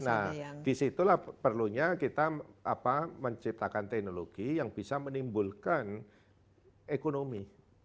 nah disitulah perlunya kita menciptakan teknologi yang bisa menimbulkan ekonomi